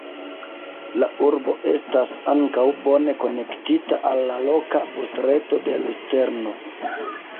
La urbo estas ankaŭ bone konektita al la loka busreto de Lucerno.